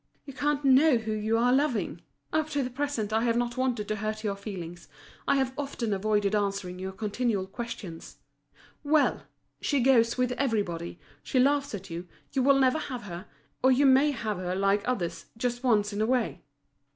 You can't know who you are loving! Up to the present I have not wanted to hurt your feelings, I have often avoided answering your continual questions. Well! she goes with everybody, she laughs at you, you will never have her, or you may have her, like others, just once in a way."